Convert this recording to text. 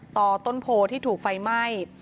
ต่อต้นโพที่ถูกไฟไหม้